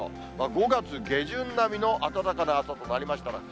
５月下旬並みの暖かな朝となりましたけれども。